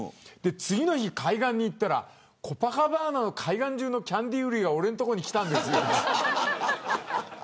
次の日に海岸に行ったらコパカバーナの海岸中のキャンディー売りが俺の所に来たんです。